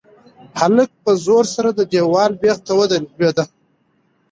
هلک په زور سره د دېوال بېخ ته ولوېد.